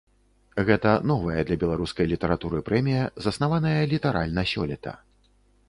Гэта новая для беларускай літаратуры прэмія, заснаваная літаральна сёлета.